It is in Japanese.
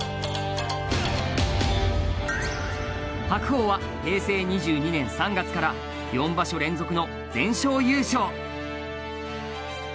白鵬は平成２２年３月から４場所連続の全勝優勝。